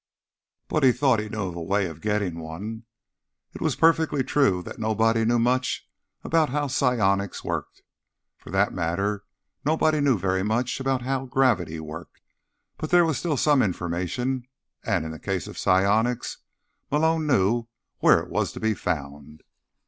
But he thought he knew a way of getting one. It was perfectly true that nobody knew much about how psionics worked. For that matter, nobody knew very much about how gravity worked. But there was still some information, and, in the case of psionics, Malone knew where it was to be found.